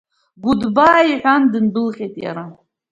Гәыдбаи, — иҳәан, дындәылҟьеит иара.